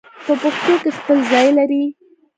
په پښتو کې خپل ځای لري